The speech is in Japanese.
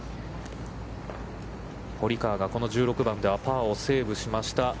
堀川がこの１６番ではパーをセーブしました。